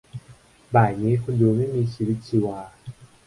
บ่ายนี้คุณดูไม่มีชีวิตชีวา